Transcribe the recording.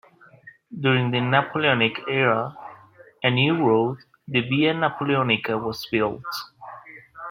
During the Napoleonic era a new road, the Via Napoleonica, was built.